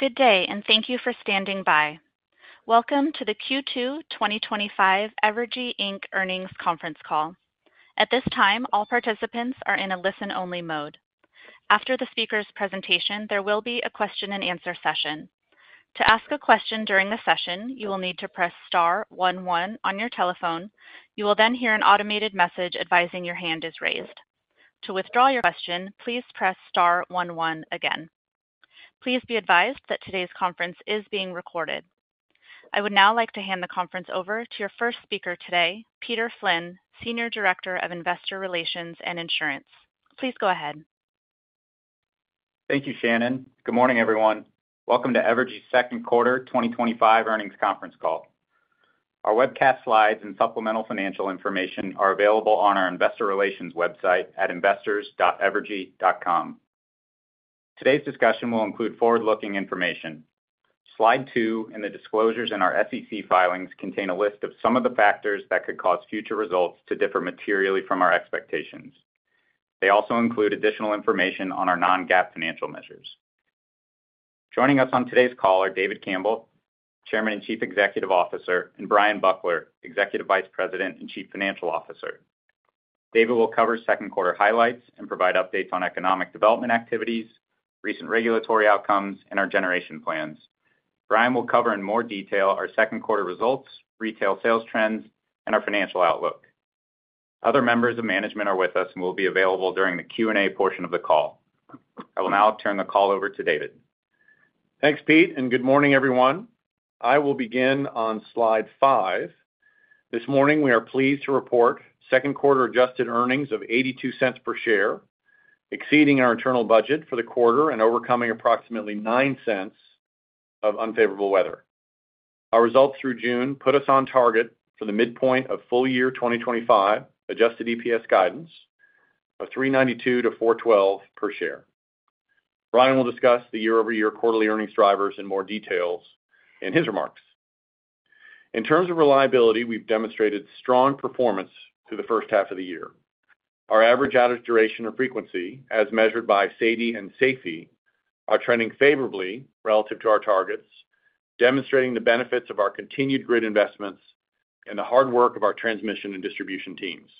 Good day, and thank you for standing by. Welcome to the Q2 2025 Evergy Inc. Earnings Conference Call. At this time, all participants are in a listen-only mode. After the speaker's presentation, there will be a question-and-answer session. To ask a question during the session, you will need to press star one one on your telephone. You will then hear an automated message advising your hand is raised. To withdraw your question, please press star one one again. Please be advised that today's conference is being recorded. I would now like to hand the conference over to our first speaker today, Peter Flynn, Senior Director of Investor Relations and Insurance. Please go ahead. Thank you, Shannon. Good morning, everyone. Welcome to Evergy's Second Quarter 2025 Earnings Conference Call. Our webcast slides and supplemental financial information are available on our investor relations website at investors.evergy.com. Today's discussion will include forward-looking information. Slide two and the disclosures in our SEC filings contain a list of some of the factors that could cause future results to differ materially from our expectations. They also include additional information on our non-GAAP financial measures. Joining us on today's call are David Campbell, Chairman and Chief Executive Officer, and Bryan Buckler, Executive Vice President and Chief Financial Officer. David will cover second quarter highlights and provide updates on economic development activities, recent regulatory outcomes, and our generation plans. Bryan will cover in more detail our second quarter results, retail sales trends, and our financial outlook. Other members of management are with us and will be available during the Q&A portion of the call. I will now turn the call over to David. Thanks, Pete, and good morning, everyone. I will begin on slide five. This morning, we are pleased to report second quarter adjusted earnings of $0.82 per share, exceeding our internal budget for the quarter and overcoming approximately $0.09 of unfavorable weather. Our results through June put us on target for the midpoint of full-year 2025 adjusted EPS guidance of $3.92-$4.12 per share. Bryan will discuss the year-over-year quarterly earnings drivers in more detail in his remarks. In terms of reliability, we've demonstrated strong performance through the first half of the year. Our average outage duration or frequency, as measured by SAIDI and SAIFI, are trending favorably relative to our targets, demonstrating the benefits of our continued grid investments and the hard work of our transmission and distribution teams.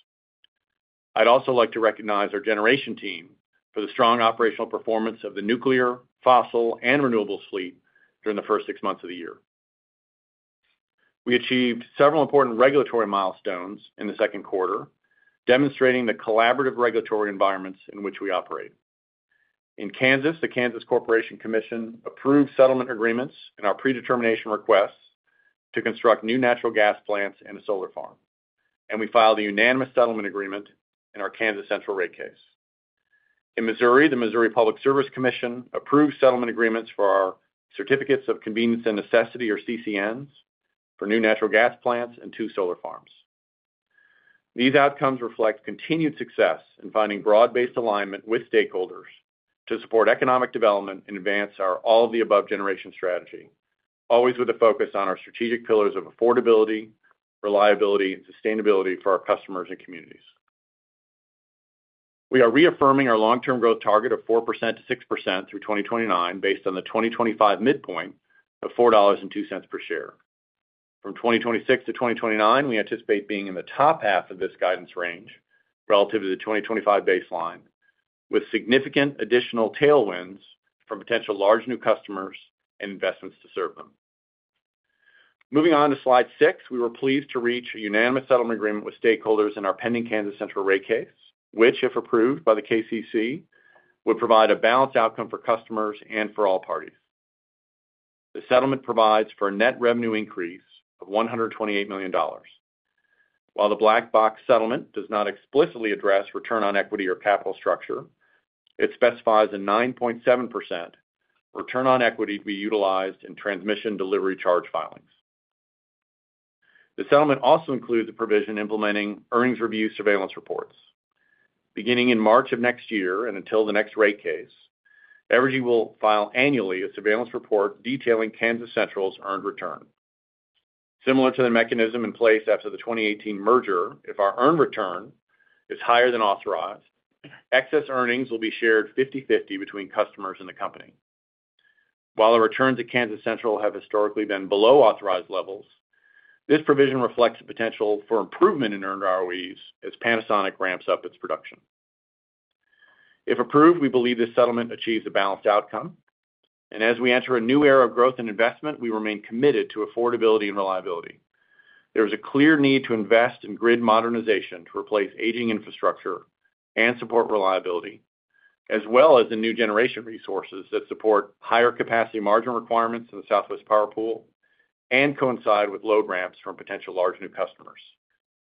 I'd also like to recognize our generation team for the strong operational performance of the nuclear, fossil, and renewables fleet during the first six months of the year. We achieved several important regulatory milestones in the second quarter, demonstrating the collaborative regulatory environments in which we operate. In Kansas, the Kansas Corporation Commission approved settlement agreements in our predetermination requests to construct new natural gas power plants and a solar project, and we filed a unanimous settlement agreement in our Kansas Central rate case. In Missouri, the Missouri Public Service Commission approved settlement agreements for our Certificates of Convenience and Necessity, or CCNs, for new natural gas power plants and two solar projects. These outcomes reflect continued success in finding broad-based alignment with stakeholders to support economic development and advance our all-of-the-above generation strategy, always with a focus on our strategic pillars of affordability, reliability, and sustainability for our customers and communities. We are reaffirming our long-term growth target of 4%-6% through 2029, based on the 2025 midpoint of $4.02 per share. From 2026 to 2029, we anticipate being in the top half of this guidance range relative to the 2025 baseline, with significant additional tailwinds from potential large new customers and investments to serve them. Moving on to slide six, we were pleased to reach a unanimous settlement agreement with stakeholders in our pending Kansas Central rate case, which, if approved by the KCC, would provide a balanced outcome for customers and for all parties. The settlement provides for a net revenue increase of $128 million. While the black box settlement does not explicitly address return on equity or capital structure, it specifies a 9.7% return on equity to be utilized in transmission delivery charge filings. The settlement also includes a provision implementing earnings review surveillance reports. Beginning in March of next year and until the next rate case, Evergy will file annually a surveillance report detailing Kansas Central's earned return. Similar to the mechanism in place after the 2018 merger, if our earned return is higher than authorized, excess earnings will be shared 50/50 between customers and the company. While the returns at Kansas Central have historically been below authorized levels, this provision reflects the potential for improvement in earned ROEs as Panasonic ramps up its production. If approved, we believe this settlement achieves a balanced outcome, and as we enter a new era of growth and investment, we remain committed to affordability and reliability. There is a clear need to invest in grid modernization to replace aging infrastructure and support reliability, as well as the new generation resources that support higher capacity margin requirements in the Southwest Power Pool and coincide with load ramps from potential large new customers,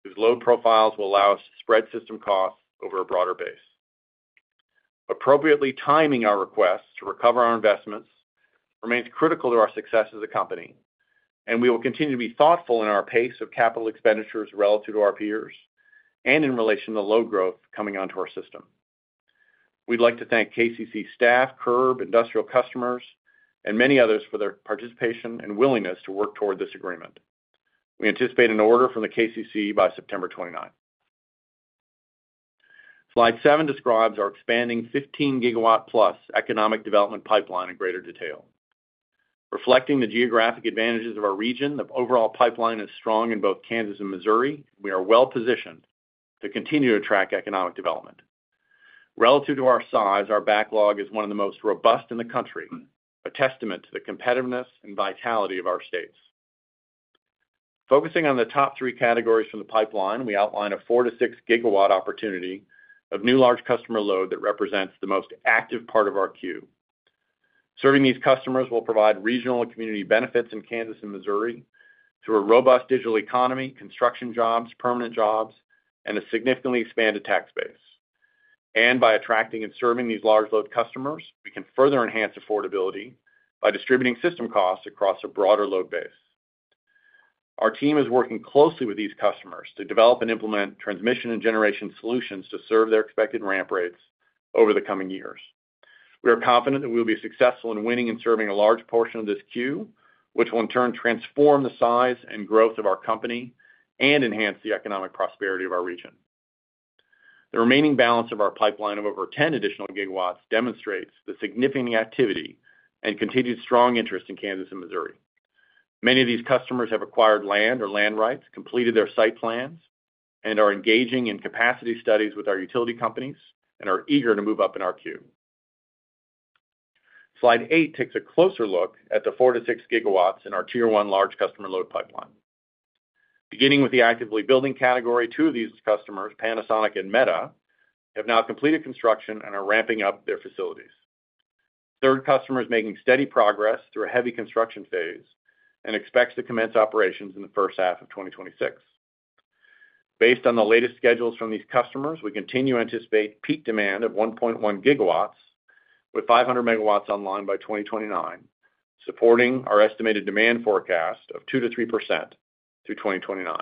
whose load profiles will allow us to spread system costs over a broader base. Appropriately timing our requests to recover our investments remains critical to our success as a company, and we will continue to be thoughtful in our pace of capital expenditures relative to our peers and in relation to the load growth coming onto our system. We'd like to thank KCC staff, CURB, industrial customers, and many others for their participation and willingness to work toward this agreement. We anticipate an order from the KCC by September 29. Slide seven describes our expanding 15+ GW economic development pipeline in greater detail. Reflecting the geographic advantages of our region, the overall pipeline is strong in both Kansas and Missouri, and we are well-positioned to continue to track economic development. Relative to our size, our backlog is one of the most robust in the country, a testament to the competitiveness and vitality of our states. Focusing on the top three categories from the pipeline, we outline a 4 GW-6 GW opportunity of new large customer load that represents the most active part of our queue. Serving these customers will provide regional and community benefits in Kansas and Missouri through a robust digital economy, construction jobs, permanent jobs, and a significantly expanded tax base. By attracting and serving these large load customers, we can further enhance affordability by distributing system costs across a broader load base. Our team is working closely with these customers to develop and implement transmission and generation solutions to serve their expected ramp rates over the coming years. We are confident that we will be successful in winning and serving a large portion of this queue, which will in turn transform the size and growth of our company and enhance the economic prosperity of our region. The remaining balance of our pipeline of over 10 additional GWs demonstrates the significant activity and continued strong interest in Kansas and Missouri. Many of these customers have acquired land or land rights, completed their site plans, and are engaging in capacity studies with our utility companies and are eager to move up in our queue. Slide eight takes a closer look at the 4 GW-6 GW in our tier one large customer load pipeline. Beginning with the actively building category, two of these customers, Panasonic and Meta, have now completed construction and are ramping up their facilities. The third customer is making steady progress through a heavy construction phase and expects to commence operations in the first half of 2026. Based on the latest schedules from these customers, we continue to anticipate peak demand of 1.1 GW with 500 MW online by 2029, supporting our estimated demand forecast of 2%-3% through 2029.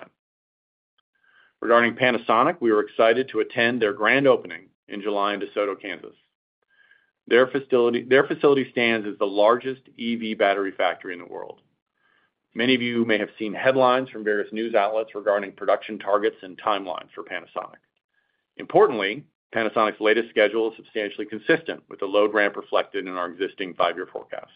Regarding Panasonic, we were excited to attend their grand opening in July in DeSoto, Kansas. Their facility stands as the largest EV battery factory in the world. Many of you may have seen headlines from various news outlets regarding production targets and timelines for Panasonic. Importantly, Panasonic's latest schedule is substantially consistent with the load ramp reflected in our existing five-year forecast.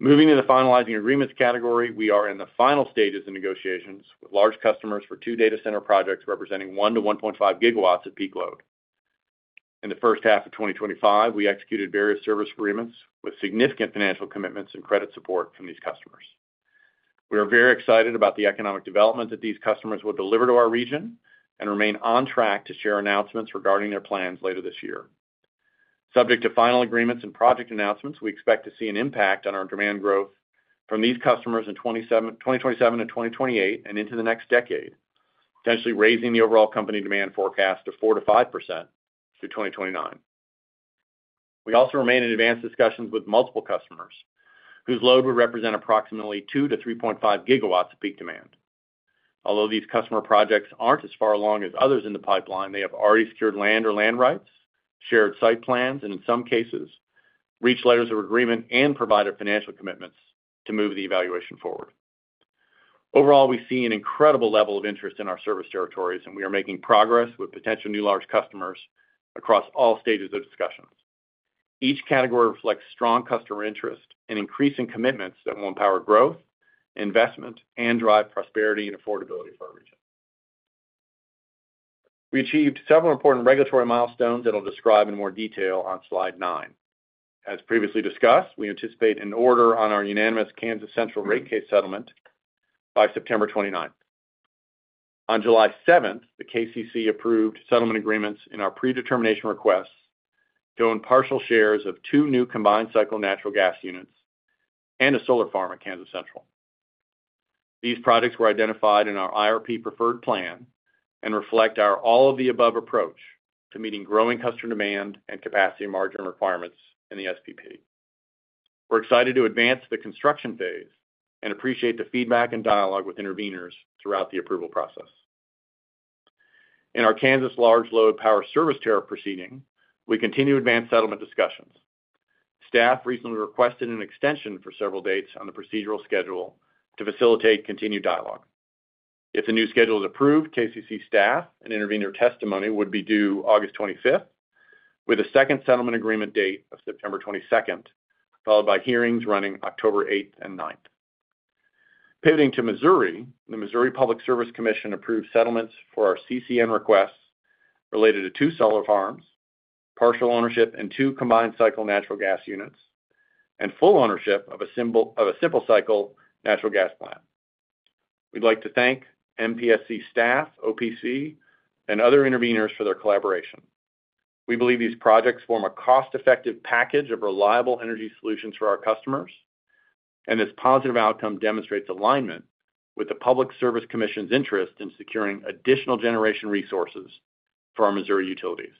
Moving to the finalizing agreements category, we are in the final stages of negotiations with large customers for two data center projects representing 1 GW-1.5 GW at peak load. In the first half of 2025, we executed various service agreements with significant financial commitments and credit support from these customers. We are very excited about the economic development that these customers will deliver to our region and remain on track to share announcements regarding their plans later this year. Subject to final agreements and project announcements, we expect to see an impact on our demand growth from these customers in 2027-2028 and into the next decade, potentially raising the overall company demand forecast to 4%-5% through 2029. We also remain in advanced discussions with multiple customers whose load would represent approximately 2 GW-3.5 GW at peak demand. Although these customer projects aren't as far along as others in the pipeline, they have already secured land or land rights, shared site plans, and in some cases, reached letters of agreement and provided financial commitments to move the evaluation forward. Overall, we see an incredible level of interest in our service territories, and we are making progress with potential new large customers across all stages of discussions. Each category reflects strong customer interest and increasing commitments that will empower growth, investment, and drive prosperity and affordability for our region. We achieved several important regulatory milestones that I'll describe in more detail on slide nine. As previously discussed, we anticipate an order on our unanimous Kansas Central rate case settlement by September 29. On July 7th, the KCC approved settlement agreements in our predetermination requests to own partial shares of two new combined cycle natural gas units and a solar farm at Kansas Central. These projects were identified in our IRP preferred plan and reflect our all-of-the-above approach to meeting growing customer demand and capacity margin requirements in the SPP. We're excited to advance the construction phase and appreciate the feedback and dialogue with interveners throughout the approval process. In our Kansas large load power service tariff proceeding, we continue to advance settlement discussions. Staff recently requested an extension for several dates on the procedural schedule to facilitate continued dialogue. If a new schedule is approved, KCC staff and intervener testimony would be due August 25, with a second settlement agreement date of September 22nd, followed by hearings running October 8th and 9th. Pivoting to Missouri, the Missouri Public Service Commission approved settlements for our CCN requests related to two solar farms, partial ownership in two combined cycle natural gas units, and full ownership of a simple cycle natural gas plant. We'd like to thank MPSC staff, OPC, and other interveners for their collaboration. We believe these projects form a cost-effective package of reliable energy solutions for our customers, and this positive outcome demonstrates alignment with the Public Service Commission's interest in securing additional generation resources for our Missouri utilities.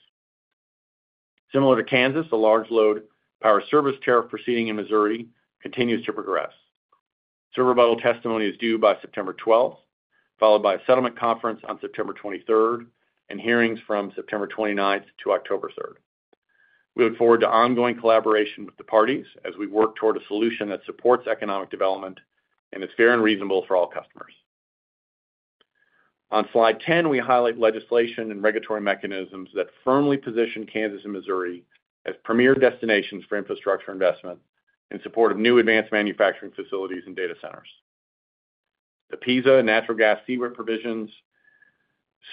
Similar to Kansas, the large load power service tariff proceeding in Missouri continues to progress. Service level testimony is due by September 12nd, followed by a settlement conference on September 23rd and hearings from September 29th to October 3rd. We look forward to ongoing collaboration with the parties as we work toward a solution that supports economic development and is fair and reasonable for all customers. On slide 10, we highlight legislation and regulatory mechanisms that firmly position Kansas and Missouri as premier destinations for infrastructure investment in support of new advanced manufacturing facilities and data centers. The PISA and natural gas TWIP provisions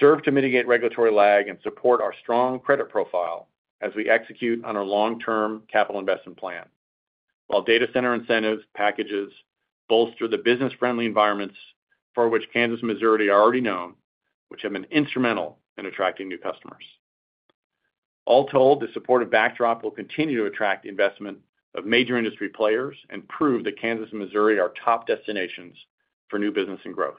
serve to mitigate regulatory lag and support our strong credit profile as we execute on our long-term capital investment plan, while data center incentive packages bolster the business-friendly environments for which Kansas and Missouri are already known, which have been instrumental in attracting new customers. All told, the supportive backdrop will continue to attract investment of major industry players and prove that Kansas and Missouri are top destinations for new business and growth.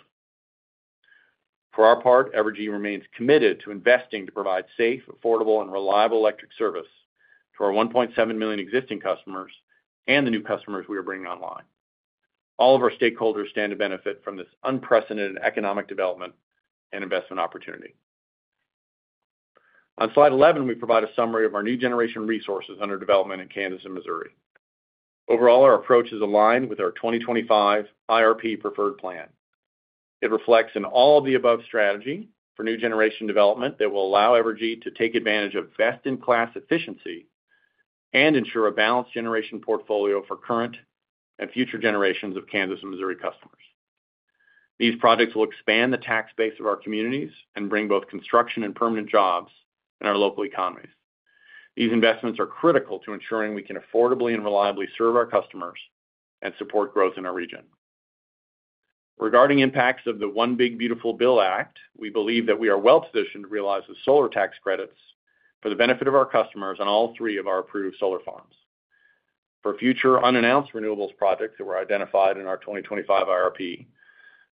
For our part, Evergy remains committed to investing to provide safe, affordable, and reliable electric service to our 1.7 million existing customers and the new customers we are bringing online. All of our stakeholders stand to benefit from this unprecedented economic development and investment opportunity. On slide 11, we provide a summary of our new generation resources under development in Kansas and Missouri. Overall, our approach is aligned with our 2025 IRP preferred plan. It reflects an all-of-the-above strategy for new generation development that will allow Evergy to take advantage of best-in-class efficiency and ensure a balanced generation portfolio for current and future generations of Kansas and Missouri customers. These projects will expand the tax base of our communities and bring both construction and permanent jobs in our local economies. These investments are critical to ensuring we can affordably and reliably serve our customers and support growth in our region. Regarding impacts of the One Big Beautiful Bill Act, we believe that we are well-positioned to realize the solar tax credits for the benefit of our customers on all three of our approved solar farms. For future unannounced renewables projects that were identified in our 2025 IRP,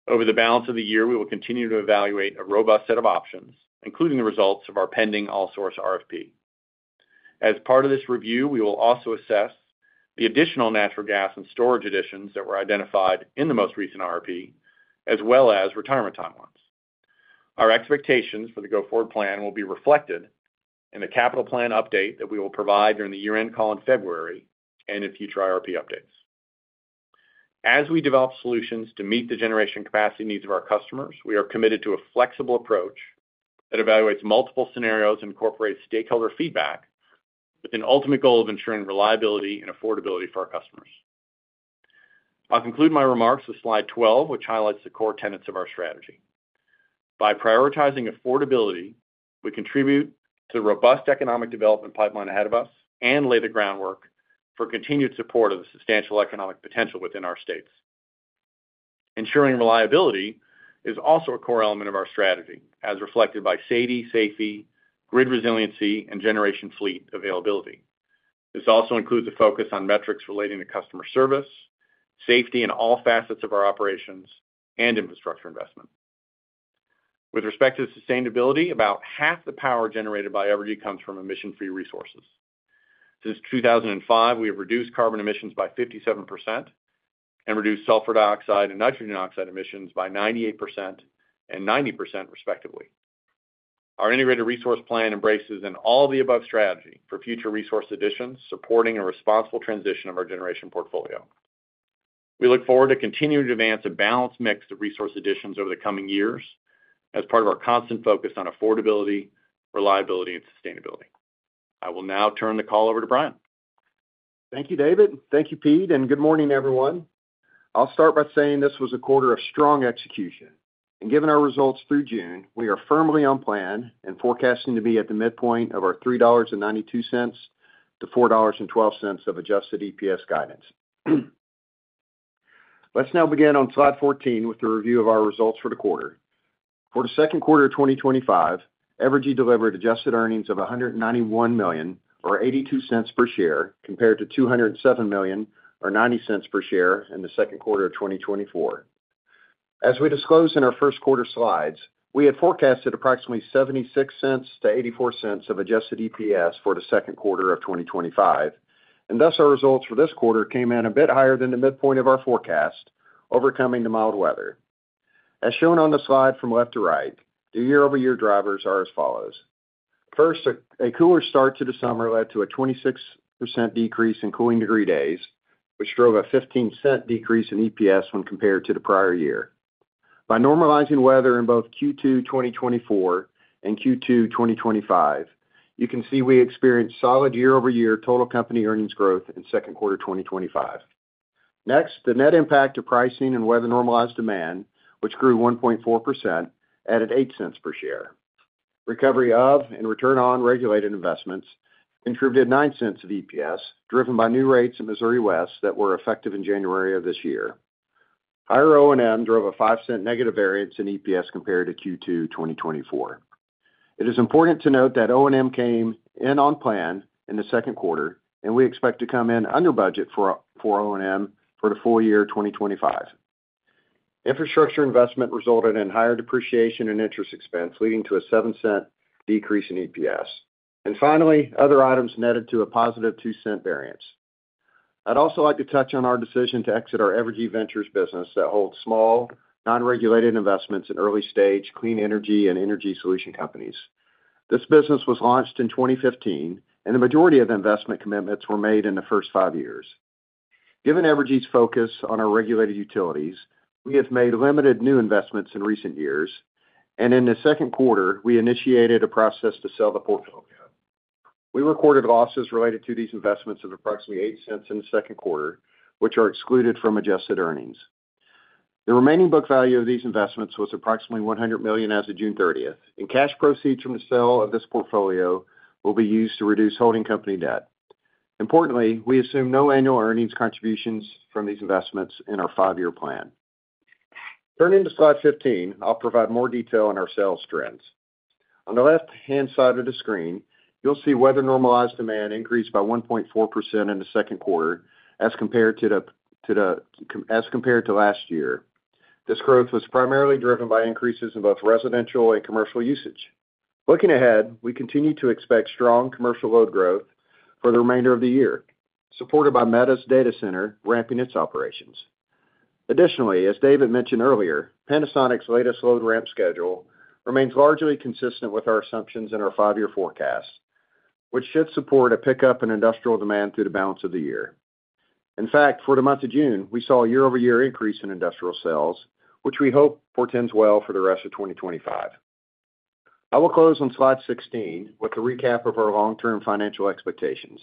over the balance of the year, we will continue to evaluate a robust set of options, including the results of our pending all-source RFP. As part of this review, we will also assess the additional natural gas and storage additions that were identified in the most recent RFP, as well as retirement timelines. Our expectations for the go-forward plan will be reflected in the capital plan update that we will provide during the year-end call in February and in future IRP updates. As we develop solutions to meet the generation capacity needs of our customers, we are committed to a flexible approach that evaluates multiple scenarios and incorporates stakeholder feedback with an ultimate goal of ensuring reliability and affordability for our customers. I'll conclude my remarks with slide 12, which highlights the core tenets of our strategy. By prioritizing affordability, we contribute to the robust economic development pipeline ahead of us and lay the groundwork for continued support of the substantial economic potential within our states. Ensuring reliability is also a core element of our strategy, as reflected by SAIDI, SAIFI, grid resiliency, and generation fleet availability. This also includes a focus on metrics relating to customer service, safety, and all facets of our operations and infrastructure investments. With respect to the sustainability, about half the power generated by Evergy comes from emission-free resources. Since 2005, we have reduced carbon emissions by 57% and reduced sulfur dioxide and nitrogen oxide emissions by 98% and 90%, respectively. Our integrated resource plan embraces an all-of-the-above strategy for future resource additions, supporting a responsible transition of our generation portfolio. We look forward to continuing to advance a balanced mix of resource additions over the coming years as part of our constant focus on affordability, reliability, and sustainability. I will now turn the call over to Bryan. Thank you, David, and thank you, Pete, and good morning, everyone. I'll start by saying this was a quarter of strong execution, and given our results through June, we are firmly on plan and forecasting to be at the midpoint of our $3.92-$4.12 of adjusted EPS guidance. Let's now begin on slide 14 with the review of our results for the quarter. For the second quarter of 2025, Evergy delivered adjusted earnings of $191 million, or $0.82 per share, compared to $207 million, or $0.90 per share in the second quarter of 2024. As we disclosed in our first quarter slides, we had forecasted approximately $0.76-$0.84 of adjusted EPS for the second quarter of 2025, and thus our results for this quarter came in a bit higher than the midpoint of our forecast, overcoming the mild weather. As shown on the slide from left to right, the year-over-year drivers are as follows. First, a cooler start to the summer led to a 26% decrease in cooling degree days, which drove a 15% decrease in EPS when compared to the prior year. By normalizing weather in both Q2 2024 and Q2 2025, you can see we experienced solid year-over-year total company earnings growth in second quarter 2025. Next, the net impact of pricing and weather normalized demand, which grew 1.4%, added $0.08 per share. Recovery of and return on regulated investments contributed $0.09 of EPS, driven by new rates in Missouri West that were effective in January of this year. Higher O&M drove a $0.05 negative variance in EPS compared to Q2 2024. It is important to note that O&M came in on plan in the second quarter, and we expect to come in under budget for O&M for the full year 2025. Infrastructure investment resulted in higher depreciation and interest expense, leading to a $0.07 decrease in EPS. Finally, other items netted to a +$0.02 variance. I'd also like to touch on our decision to exit our Evergy Ventures business that holds small, non-regulated investments in early-stage clean energy and energy solution companies. This business was launched in 2015, and the majority of investment commitments were made in the first five years. Given Evergy's focus on our regulated utilities, we have made limited new investments in recent years, and in the second quarter, we initiated a process to sell the portfolio. We recorded losses related to these investments of approximately $0.08 in the second quarter, which are excluded from adjusted earnings. The remaining book value of these investments was approximately $100 million as of June 30th, and cash proceeds from the sale of this portfolio will be used to reduce holding company debt. Importantly, we assume no annual earnings contributions from these investments in our five-year plan. Turning to slide 15, I'll provide more detail on our sales trends. On the left-hand side of the screen, you'll see weather-normalized demand increased by 1.4% in the second quarter as compared to last year. This growth was primarily driven by increases in both residential and commercial usage. Looking ahead, we continue to expect strong commercial load growth for the remainder of the year, supported by Meta's data center ramping its operations. Additionally, as David mentioned earlier, Panasonic's latest load ramp schedule remains largely consistent with our assumptions in our five-year forecast, which should support a pickup in industrial demand through the balance of the year. In fact, for the month of June, we saw a year-over-year increase in industrial sales, which we hope portends well for the rest of 2025. I will close on slide 16 with a recap of our long-term financial expectations.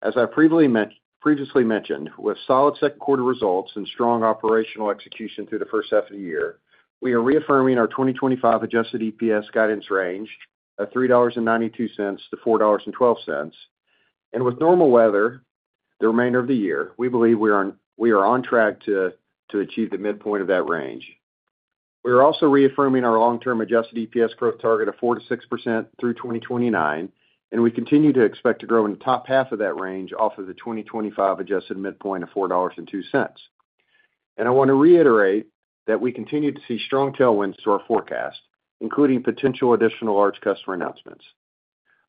As I previously mentioned, with solid second quarter results and strong operational execution through the first half of the year, we are reaffirming our 2025 adjusted EPS guidance range of $3.92-$4.12. With normal weather the remainder of the year, we believe we are on track to achieve the midpoint of that range. We are also reaffirming our long-term adjusted EPS growth target of 4%-6% through 2029, and we continue to expect to grow in the top half of that range off of the 2025 adjusted midpoint of $4.02. I want to reiterate that we continue to see strong tailwinds to our forecast, including potential additional large customer announcements.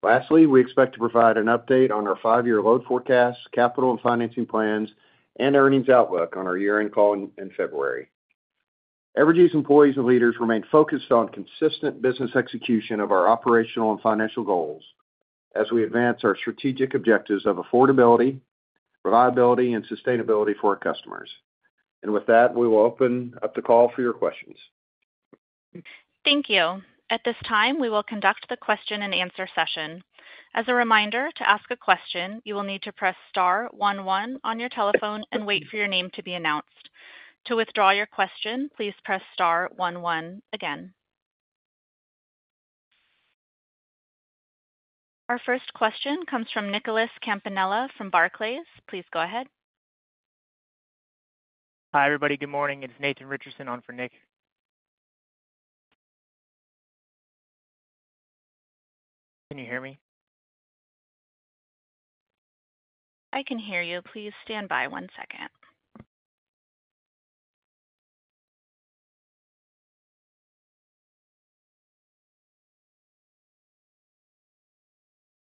Lastly, we expect to provide an update on our five-year load forecasts, capital and financing plans, and earnings outlook on our year-end call in February. Evergy's employees and leaders remain focused on consistent business execution of our operational and financial goals as we advance our strategic objectives of affordability, reliability, and sustainability for our customers. We will open up the call for your questions. Thank you. At this time, we will conduct the question-and-answer session. As a reminder, to ask a question, you will need to press star one one on your telephone and wait for your name to be announced. To withdraw your question, please press star one one again. Our first question comes from Nicholas Campanella from Barclays. Please go ahead. Hi, everybody. Good morning. It's Nathan Richardson on for Nick. Can you hear me? I can hear you. Please stand by one second.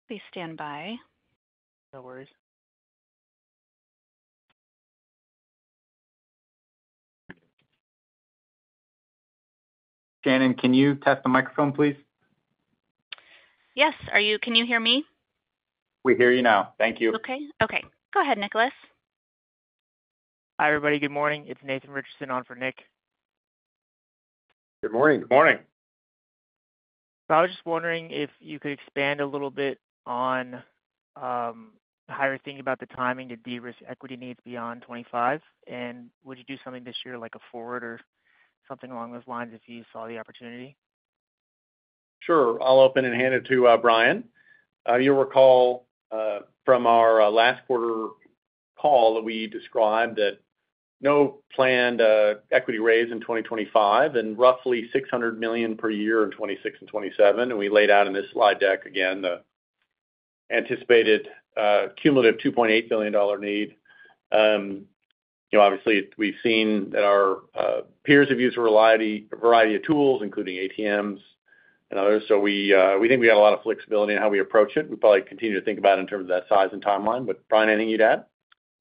Please stand by. No worries. Shannon, can you test the microphone, please? Yes. Can you hear me? We hear you now. Thank you. Okay. Go ahead, Nicholas. Hi, everybody. Good morning. It's Nathan Richardson on for Nick. Good morning. I was just wondering if you could expand a little bit on how you're thinking about the timing to de-risk equity needs beyond 2025, and would you do something this year, like a forward or something along those lines if you saw the opportunity? Sure. I'll open and hand it to Bryan. You'll recall from our last quarter call that we described that no planned equity raise in 2025 and roughly $600 million per year in 2026 and 2027. We laid out in this slide deck, again, the anticipated cumulative $2.8 billion need. Obviously, we've seen that our peers have used a variety of tools, including ATMs and others. We think we got a lot of flexibility in how we approach it. We probably continue to think about it in terms of that size and timeline. Bryan, anything you'd add?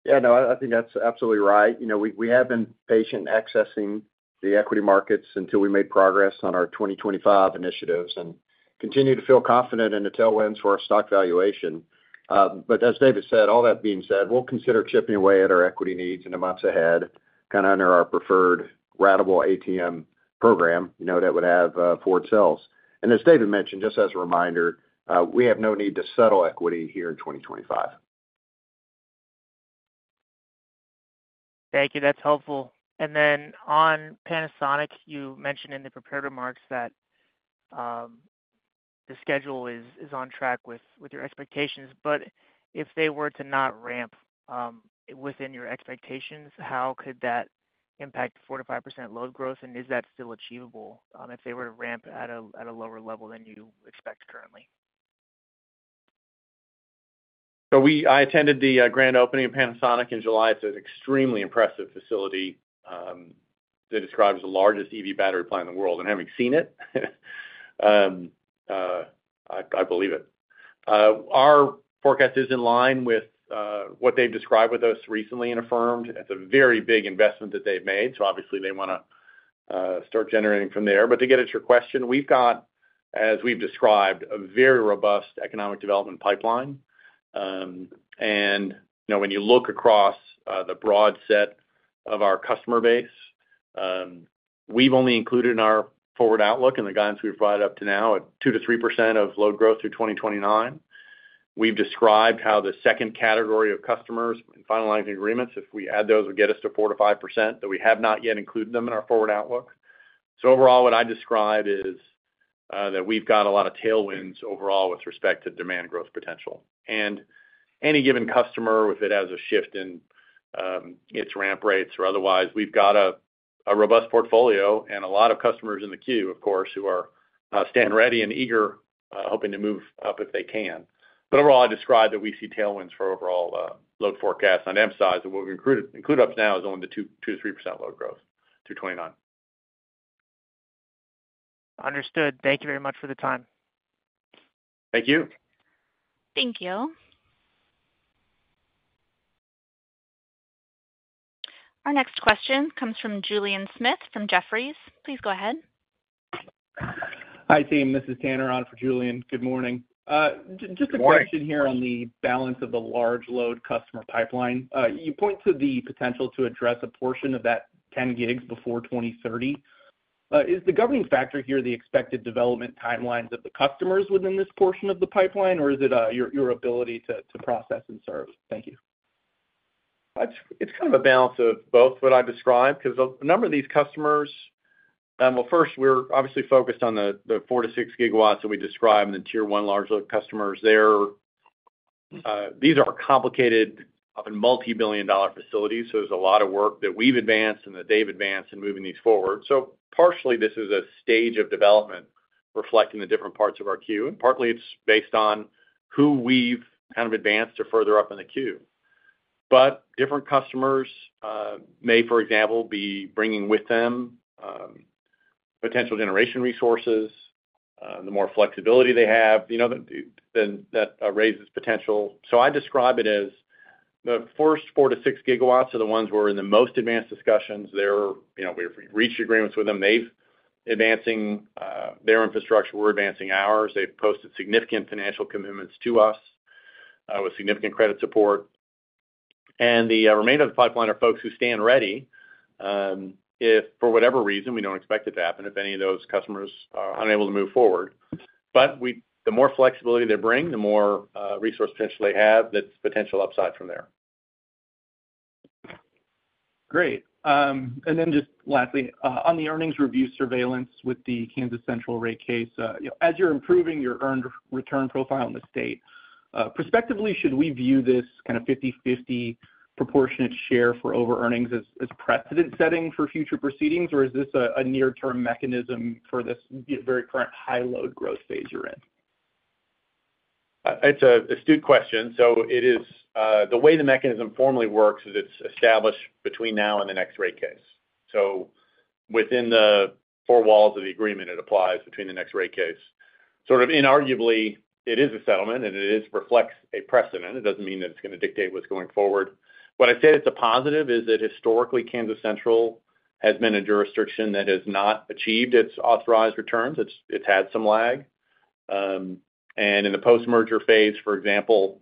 Yeah. No, I think that's absolutely right. We have been patient in accessing the equity markets until we made progress on our 2025 initiatives and continue to feel confident in the tailwinds for our stock valuation. As David said, all that being said, we'll consider chipping away at our equity needs in the months ahead, kind of under our preferred ratable ATM program that would have forward sales. As David mentioned, just as a reminder, we have no need to settle equity here in 2025. Thank you. That's helpful. On Panasonic, you mentioned in the prepared remarks that the schedule is on track with your expectations. If they were to not ramp within your expectations, how could that impact 4%-5% load growth, and is that still achievable if they were to ramp at a lower level than you expect currently? I attended the grand opening of Panasonic in July. It's an extremely impressive facility. They describe it as the largest EV battery plant in the world, and having seen it, I believe it. Our forecast is in line with what they've described with us recently and affirmed. It's a very big investment that they've made. Obviously, they want to start generating from there. To get at your question, we've got, as we've described, a very robust economic development pipeline. When you look across the broad set of our customer base, we've only included in our forward outlook and the guidance we've provided up to now at 2%-3% of load growth through 2029. We've described how the second category of customers and finalizing agreements, if we add those, would get us to 4%-5%, though we have not yet included them in our forward outlook. Overall, what I describe is that we've got a lot of tailwinds overall with respect to demand growth potential. Any given customer, if it has a shift in its ramp rates or otherwise, we've got a robust portfolio and a lot of customers in the queue who stand ready and eager, hoping to move up if they can. Overall, I describe that we see tailwinds for overall load forecasts. I'd emphasize that what we've included up to now is only the 2%-3% load growth through 2029. Understood. Thank you very much for the time. Thank you. Thank you. Our next question comes from Julian Smith from Jefferies. Please go ahead. Hi, team. This is Tanner on for Julian. Good morning. Good morning. Just a question here on the balance of the large load customer pipeline. You point to the potential to address a portion of that 10 GW before 2030. Is the governing factor here the expected development timelines of the customers within this portion of the pipeline, or is it your ability to process and serve? Thank you. It's kind of a balance of both what I described because a number of these customers, first, we're obviously focused on the 4 GW-6 GW that we described in the tier one large load customers. These are complicated and multi-billion-dollar facilities. There's a lot of work that we've advanced and that they've advanced in moving these forward. Partially, this is a stage of development reflecting the different parts of our queue, and partly, it's based on who we've kind of advanced to further up in the queue. Different customers may, for example, be bringing with them potential generation resources. The more flexibility they have, you know, then that raises potential. I describe it as the first 4 GW-6 GW ts are the ones where we're in the most advanced discussions. We've reached agreements with them. They're advancing their infrastructure. We're advancing ours. They've posted significant financial commitments to us with significant credit support. The remainder of the pipeline are folks who stand ready if, for whatever reason, we don't expect it to happen, if any of those customers are unable to move forward. The more flexibility they bring, the more resource potential they have, that's potential upside from there. Great. Lastly, on the earnings review surveillance with the Kansas Central rate case, as you're improving your earned return profile in the state, prospectively, should we view this kind of 50/50 proportionate share for over-earnings as a precedent setting for future proceedings, or is this a near-term mechanism for this very current high load growth phase you're in? It's an astute question. The way the mechanism formally works is it's established between now and the next rate case. Within the four walls of the agreement, it applies between the next rate case. Inarguably, it is a settlement, and it reflects a precedent. It doesn't mean that it's going to dictate what's going forward. What I say that's a positive is that historically, Kansas Central has been a jurisdiction that has not achieved its authorized returns. It's had some lag. In the post-merger phase, for example,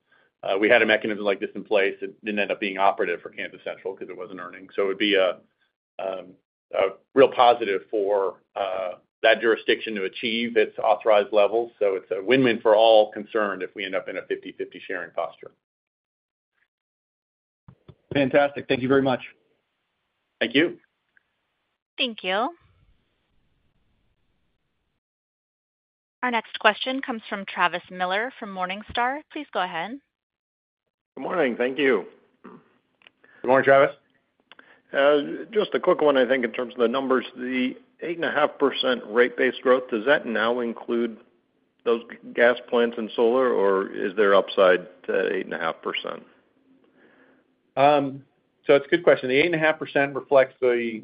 we had a mechanism like this in place. It didn't end up being operative for Kansas Central because it wasn't earning. It would be a real positive for that jurisdiction to achieve its authorized levels. It's a win-win for all concerned if we end up in a 50/50 sharing posture. Fantastic. Thank you very much. Thank you. Thank you. Our next question comes from Travis Miller from Morningstar. Please go ahead. Good morning. Thank you. Good morning, Travis. Just a quick one, I think, in terms of the numbers. The 8.5% rate-based growth, does that now include those natural gas power plants and solar projects, or is there upside to 8.5%? That's a good question. The 8.5% reflects the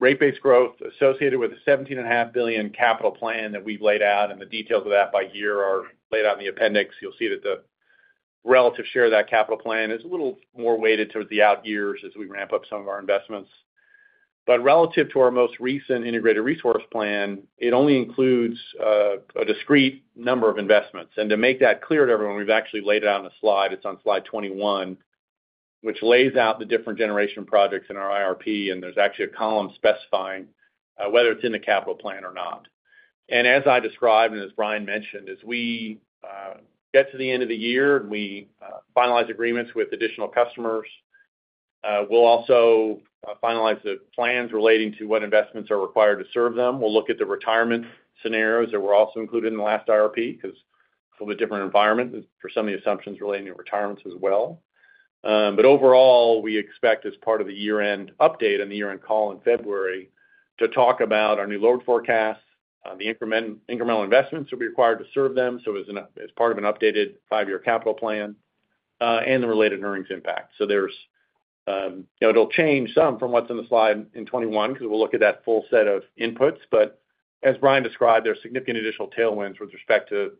rate-based growth associated with the $17.5 billion capital plan that we've laid out, and the details of that by year are laid out in the appendix. You'll see that the relative share of that capital plan is a little more weighted toward the out years as we ramp up some of our investments. Relative to our most recent integrated resource plan, it only includes a discrete number of investments. To make that clear to everyone, we've actually laid it out on the slide. It's on slide 21, which lays out the different generation projects in our IRP, and there's actually a column specifying whether it's in the capital plan or not. As I described and as Bryan Buckler mentioned, as we get to the end of the year and we finalize agreements with additional customers, we'll also finalize the plans relating to what investments are required to serve them. We'll look at the retirement scenarios that were also included in the last IRP because it's a little bit different environment for some of the assumptions relating to retirements as well. Overall, we expect, as part of the year-end update and the year-end call in February, to talk about our new load forecast, the incremental investments that will be required to serve them as part of an updated five-year capital plan and the related earnings impact. There will be changes from what's in the slide in 2021 because we'll look at that full set of inputs. As Bryan Buckler described, there are significant additional tailwinds with respect to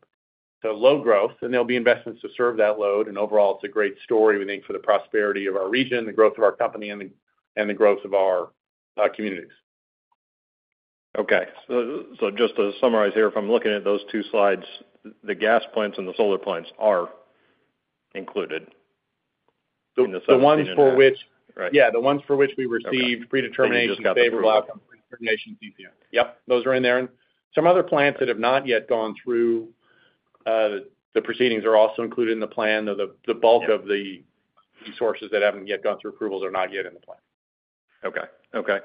load growth, and there will be investments to serve that load. Overall, it's a great story, we think, for the prosperity of our region, the growth of our company, and the growth of our communities. Okay. Just to summarize here, if I'm looking at those two slides, the natural gas power plants and the solar projects are included in the settlement agreement. The ones for which we received predetermination and favorable outcome predetermination PPI. Yes. Those are in there. Some other plants that have not yet gone through the proceedings are also included in the plan, though the bulk of the resources that haven't yet gone through approvals are not yet in the plan. Okay.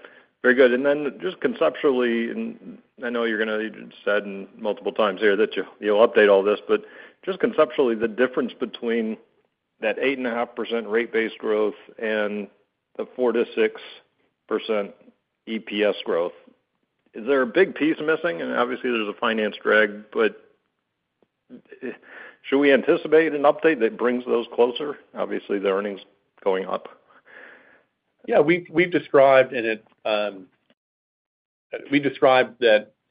Very good. Just conceptually, and I know you're going to, you said multiple times here that you'll update all this, just conceptually, the difference between that 8.5% rate-based growth and the 4%-6% EPS growth, is there a big piece missing? Obviously, there's a finance drag, but should we anticipate an update that brings those closer? Obviously, the earnings going up. Yeah. We've described that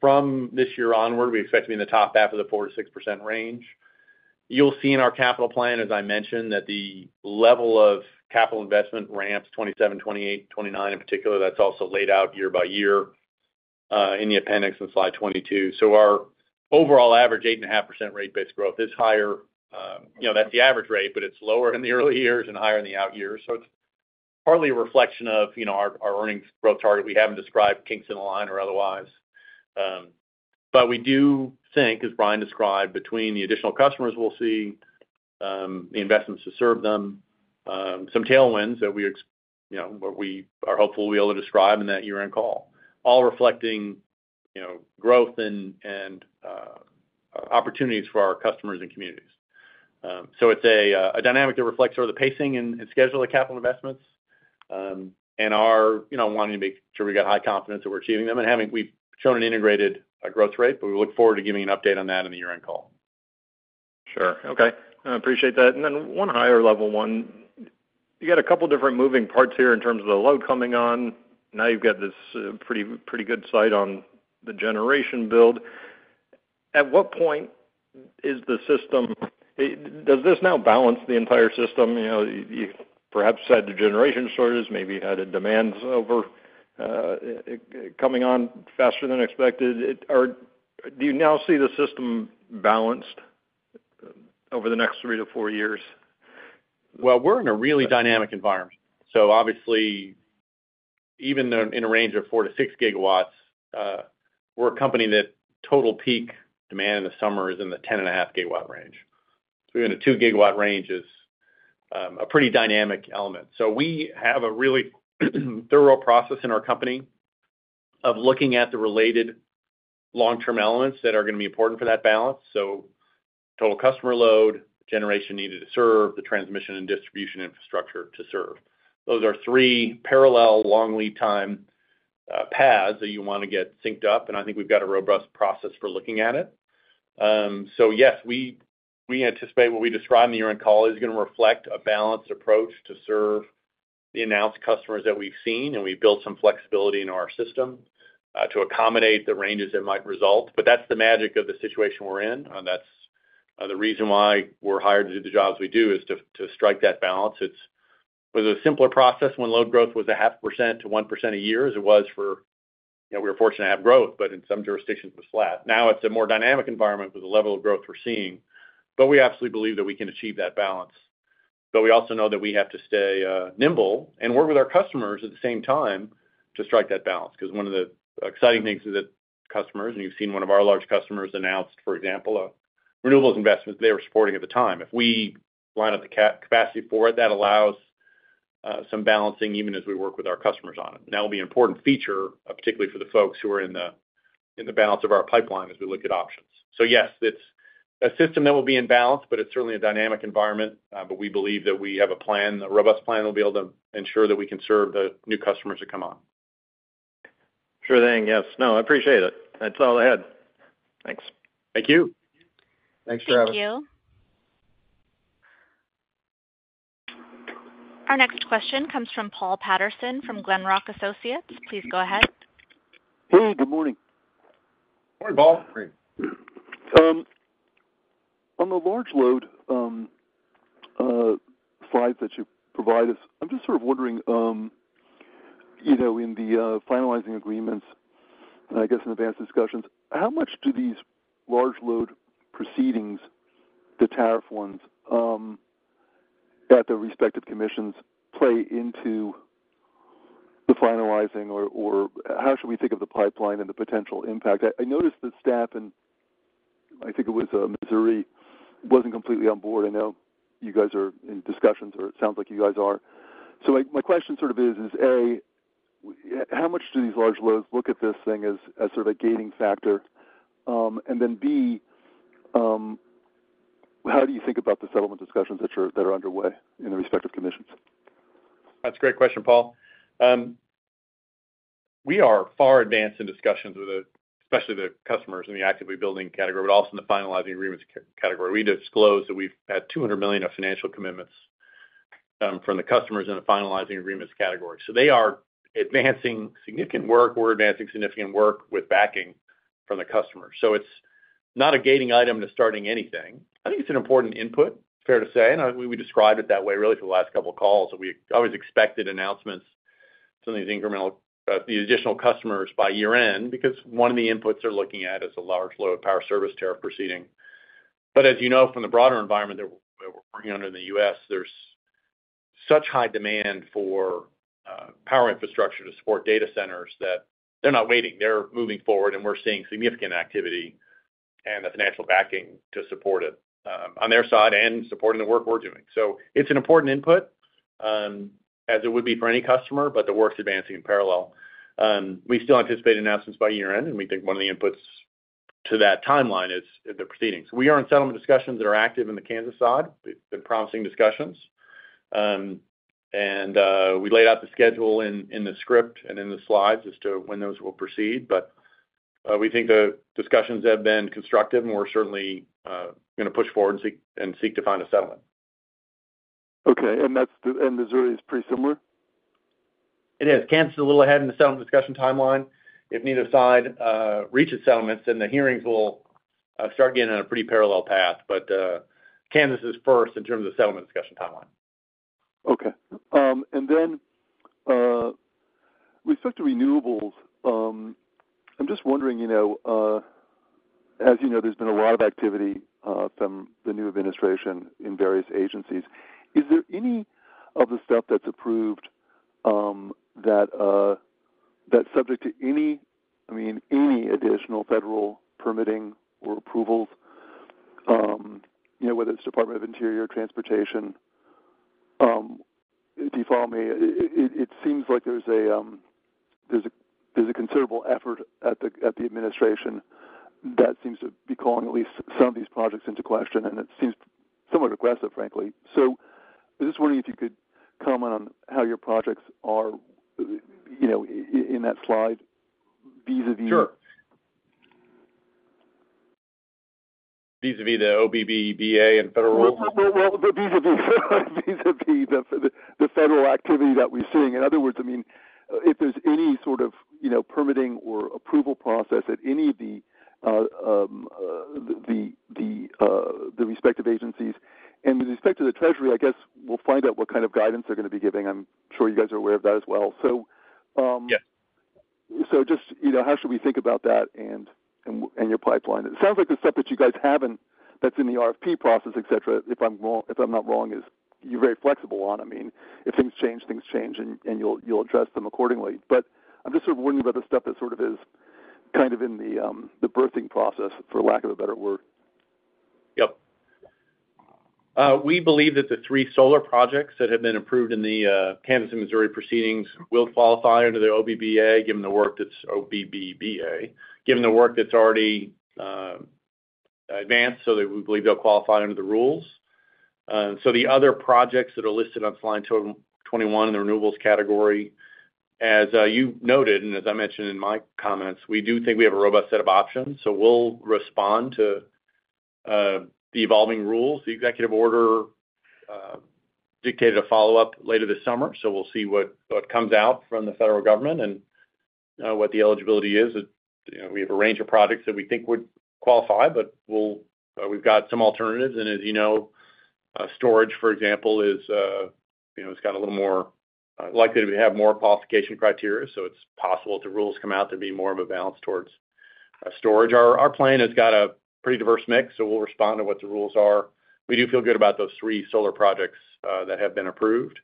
from this year onward, we expect to be in the top half of the 4%-6% range. You'll see in our capital plan, as I mentioned, that the level of capital investment ramps 2027, 2028, 2029 in particular. That's also laid out year by year in the appendix in slide 22. Our overall average 8.5% rate-based growth is higher. You know, that's the average rate, but it's lower in the early years and higher in the out years. It's partly a reflection of our earnings growth target. We haven't described kinks in the line or otherwise. We do think, as Bryan described, between the additional customers we'll see, the investments to serve them, some tailwinds that we are hopeful we'll be able to describe in that year-end call, all reflecting growth and opportunities for our customers and communities. It's a dynamic that reflects the pacing and schedule of capital investments and our wanting to make sure we've got high confidence that we're achieving them. We've shown an integrated growth rate, but we look forward to giving an update on that in the year-end call. Sure. Okay. I appreciate that. One higher-level one, you got a couple of different moving parts here in terms of the load coming on. Now you've got this pretty, pretty good sight on the generation build. At what point does the system now balance the entire system? You know, you perhaps had the generation shortage, maybe had a demand over coming on faster than expected. Do you now see the system balanced over the next three to four years? We're in a really dynamic environment. Obviously, even in a range of 4 GW-6 GW, we're a company that total peak demand in the summer is in the 10.5 GW range. In the 2 GW range is a pretty dynamic element. We have a really thorough process in our company of looking at the related long-term elements that are going to be important for that balance. Total customer load, generation needed to serve, the transmission and distribution infrastructure to serve—those are three parallel long lead time paths that you want to get synced up, and I think we've got a robust process for looking at it. Yes, we anticipate what we describe in the year-end call is going to reflect a balanced approach to serve the announced customers that we've seen, and we've built some flexibility into our system to accommodate the ranges that might result. That's the magic of the situation we're in. That's the reason why we're hired to do the jobs we do, to strike that balance. It was a simpler process when load growth was a 0.5%-1% a year as it was for, you know, we were fortunate to have growth, but in some jurisdictions, it was flat. Now it's a more dynamic environment with the level of growth we're seeing. We absolutely believe that we can achieve that balance. We also know that we have to stay nimble and work with our customers at the same time to strike that balance because one of the exciting things is that customers, and you've seen one of our large customers announce, for example, renewables investments they were supporting at the time. If we line up the capacity for it, that allows some balancing even as we work with our customers on it. That will be an important feature, particularly for the folks who are in the balance of our pipeline as we look at options. Yes, it's a system that will be in balance, but it's certainly a dynamic environment. We believe that we have a plan, a robust plan that will be able to ensure that we can serve the new customers that come on. Sure thing. Yes. No, I appreciate it. That's all I had. Thanks. Thank you. Thanks, Travis. Thank you. Our next question comes from Paul Patterson from Glenrock Associates. Please go ahead. Hey, good morning. Morning, Paul. Great. On the large load slides that you provide us, I'm just sort of wondering, in the finalizing agreements and I guess in advanced discussions, how much do these large load proceedings, the tariff ones at the respective commissions, play into the finalizing or how should we think of the pipeline and the potential impact? I noticed that staff, and I think it was Missouri, wasn't completely on board. I know you guys are in discussions, it sounds like you guys are. My question is, A, how much do these large loads look at this thing as sort of a gating factor? B, how do you think about the settlement discussions that are underway in the respective commissions? That's a great question, Paul. We are far advanced in discussions with especially the customers in the actively building category, but also in the finalizing agreements category. We disclosed that we've had $200 million of financial commitments from the customers in the finalizing agreements category. They are advancing significant work. We're advancing significant work with backing from the customers. It's not a gating item to starting anything. I think it's an important input, fair to say. We described it that way really for the last couple of calls that we always expected announcements from these incremental, the additional customers by year-end because one of the inputs they're looking at is a large load power service tariff proceeding. As you know from the broader environment that we're working under in the U.S., there's such high demand for power infrastructure to support data centers that they're not waiting. They're moving forward, and we're seeing significant activity and the financial backing to support it on their side and supporting the work we're doing. It's an important input as it would be for any customer, but the work's advancing in parallel. We still anticipate announcements by year-end, and we think one of the inputs to that timeline is the proceedings. We are in settlement discussions that are active in the Kansas side. They've been promising discussions. We laid out the schedule in the script and in the slides as to when those will proceed. We think the discussions have been constructive, and we're certainly going to push forward and seek to find a settlement. Okay. Missouri is pretty similar? Kansas is a little ahead in the settlement discussion timeline. If neither side reaches settlements, the hearings will start getting on a pretty parallel path. Kansas is first in terms of the settlement discussion timeline. Okay. With respect to renewables, I'm just wondering, you know, as you know, there's been a lot of activity from the new administration in various agencies. Is there any of the stuff that's approved that's subject to any, I mean, any additional federal permitting or approvals? You know, whether it's the Department of Interior or Transportation, if you follow me, it seems like there's a considerable effort at the administration that seems to be calling at least some of these projects into question, and it seems somewhat aggressive, frankly. I was just wondering if you could comment on how your projects are, you know, in that slide vis-à-vis. Sure. Vis-à-vis the OBB, BA, and federal rules? Vis-à-vis the federal activity that we're seeing, in other words, if there's any sort of permitting or approval process at any of the respective agencies. With respect to the Treasury, I guess we'll find out what kind of guidance they're going to be giving. I'm sure you guys are aware of that as well. Just, you know, how should we think about that and your pipeline? It sounds like the stuff that you guys have and that's in the RFP process, if I'm not wrong, is you're very flexible on. If things change, things change, and you'll address them accordingly. I'm just sort of wondering about the stuff that is kind of in the birthing process, for lack of a better word. We believe that the three solar projects that have been approved in the Kansas and Missouri proceedings will qualify under the OBBA, given the work that's already advanced, so that we believe they'll qualify under the rules. The other projects that are listed on slide 21 in the renewables category, as you noted and as I mentioned in my comments, we do think we have a robust set of options. We'll respond to the evolving rules. The executive order dictated a follow-up later this summer. We'll see what comes out from the federal government and what the eligibility is. We have a range of projects that we think would qualify, but we've got some alternatives. As you know, storage, for example, is a little more likely to have more qualification criteria. It's possible if the rules come out, there'll be more of a balance towards storage. Our plan has got a pretty diverse mix, so we'll respond to what the rules are. We do feel good about those three solar projects that have been approved,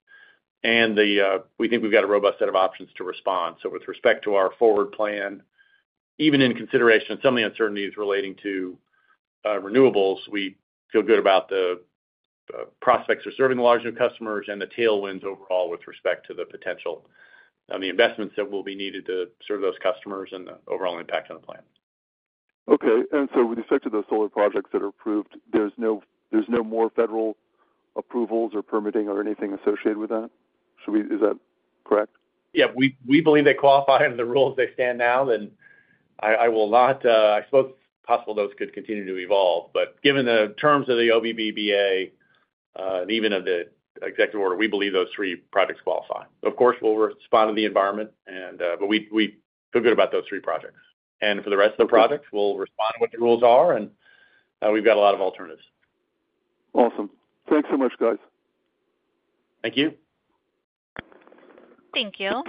and we think we've got a robust set of options to respond. With respect to our forward plan, even in consideration of some of the uncertainties relating to renewables, we feel good about the prospects of serving the large new customers and the tailwinds overall with respect to the potential of the investments that will be needed to serve those customers and the overall impact on the plan. Okay. With respect to the solar projects that are approved, there's no more federal approvals or permitting or anything associated with that. Is that correct? Yeah. We believe they qualify under the rules as they stand now. I suppose it's possible those could continue to evolve. Given the terms of the OBBA and even of the executive order, we believe those three projects qualify. Of course, we'll respond to the environment, but we feel good about those three projects. For the rest of the projects, we'll respond to what the rules are, and we've got a lot of alternatives. Awesome. Thanks so much, guys. Thank you. Thank you.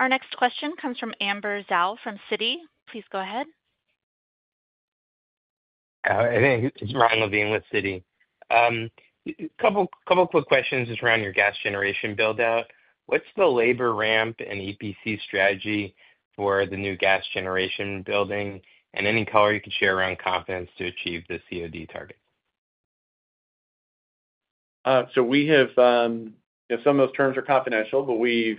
Our next question comes from Amber Zhao from Citi. Please go ahead. Hey, it's Ryan Levine with Citi. A couple of quick questions just around your natural gas power plants build-out. What's the labor ramp and EPC strategy for the new natural gas power plants building, and any color you could share around confidence to achieve the COD target? We have, you know, some of those terms are confidential, but we're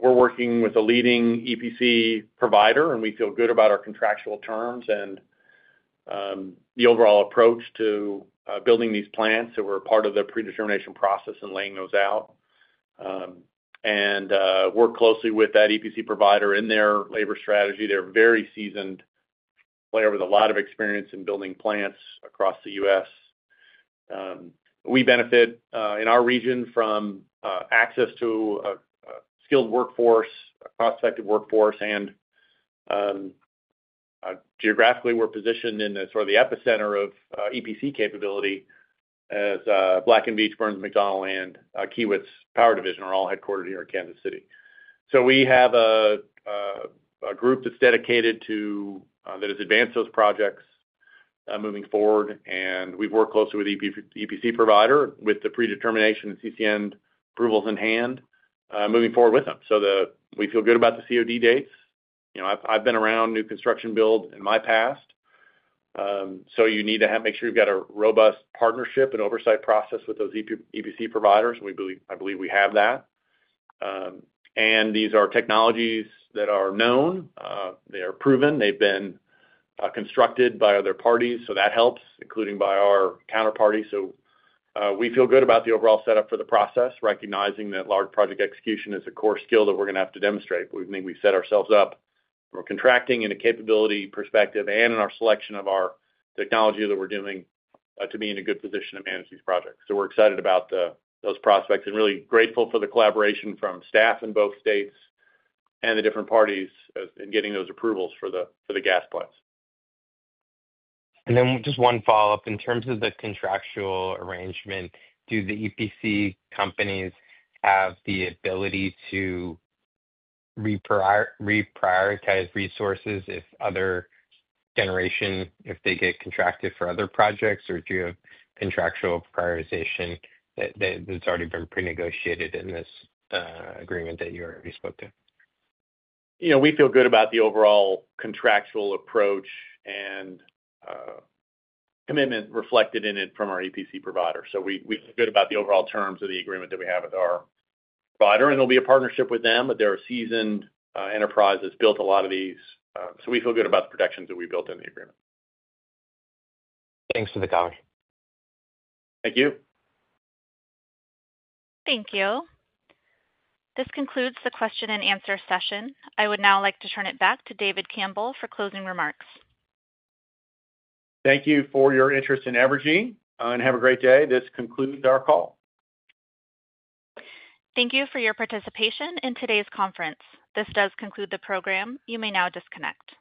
working with a leading EPC provider, and we feel good about our contractual terms and the overall approach to building these plants. We're a part of the predetermination process and laying those out. We work closely with that EPC provider in their labor strategy. They're a very seasoned player with a lot of experience in building plants across the U.S. We benefit in our region from access to a skilled workforce, a prospective workforce, and geographically, we're positioned in the sort of epicenter of EPC capability as Black & Veatch, Burns & McDonnell, and Kiewit's power division are all headquartered here in Kansas City. We have a group that's dedicated to that, has advanced those projects moving forward, and we've worked closely with the EPC provider with the predetermination and CCN approvals in hand, moving forward with them. We feel good about the COD dates. I've been around new construction build in my past. You need to make sure you've got a robust partnership and oversight process with those EPC providers, and I believe we have that. These are technologies that are known. They are proven. They've been constructed by other parties, so that helps, including by our counterparty. We feel good about the overall setup for the process, recognizing that large project execution is a core skill that we're going to have to demonstrate. We think we've set ourselves up for contracting in a capability perspective and in our selection of our technology that we're doing to be in a good position to manage these projects. We're excited about those prospects and really grateful for the collaboration from staff in both states and the different parties in getting those approvals for the natural gas power plants. In terms of the contractual arrangement, do the EPC companies have the ability to reprioritize resources if other generation, if they get contracted for other projects, or do you have contractual prioritization that's already been pre-negotiated in this agreement that you already spoke to? We feel good about the overall contractual approach and commitment reflected in it from our EPC provider. We feel good about the overall terms of the agreement that we have with our provider. It will be a partnership with them, but they're a seasoned enterprise that's built a lot of these. We feel good about the protections that we built in the agreement. Thanks for the color. Thank you. Thank you. This concludes the question and answer session. I would now like to turn it back to David Campbell for closing remarks. Thank you for your interest in Evergy, and have a great day. This concludes our call. Thank you for your participation in today's conference. This does conclude the program. You may now disconnect.